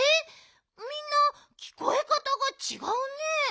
みんなきこえかたがちがうね。